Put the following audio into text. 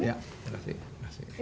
ya terima kasih